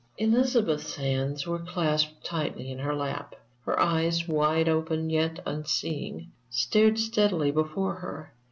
Elizabeth's hands were clasped tightly in her lap, her eyes, wide open yet unseeing, stared steadily before her.